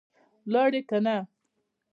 ولاړې که نه؟